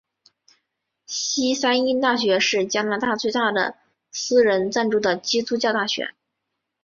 西三一大学是加拿大最大的私人资助的基督教大学。